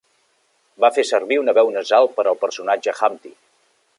Va fer servir una veu nasal per al personatge Humpty.